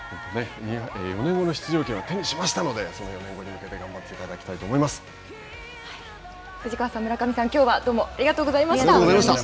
４年後の出場権は手にしましたので、４年後に向けて頑張ってい藤川さん、村上さん、きょうはどうもありがとうございました。